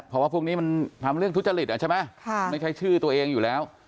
เพราะว่าพวกนี้มันทำเรื่องทุจริตใช่ไหมไม่ใช่ชื่อตัวเองอยู่แล้ว